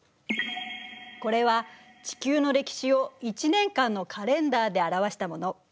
これは地球の歴史を１年間のカレンダーで表したもの。